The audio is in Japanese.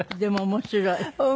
面白い。